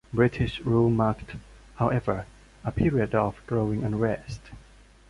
British rule marked, however, a period of growing unrest.